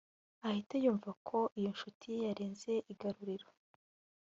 ahite yumva ko iyo nshuti ye yarenze igaruriro